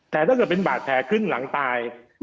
แต่ถ้าเกิดเป็นบาดแผลครึ่งหลังตาย